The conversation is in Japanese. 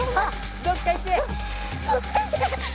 どっか行け！